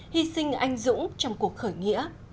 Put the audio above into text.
hy sinh anh dũng trong cuộc khởi nghĩa